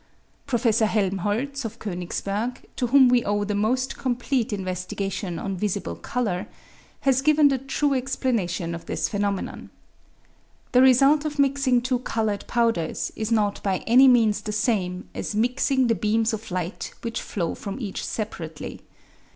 Prof. Helmholtz of Konigsberg, to whom we owe the most complete investigation on visible colour, has given the true explanation of this phenomenon. The result of mixing two coloured powders is not by any means the same as mixing the beams of light which flow from each separately.